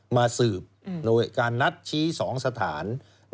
มาสืบโดยการนัดชี้๒สถาน